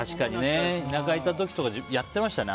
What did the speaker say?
田舎にいた時とかやってましたね。